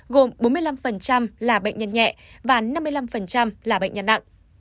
gồm bốn mươi năm là bệnh nhân nhẹ và năm mươi năm là bệnh nhân nặng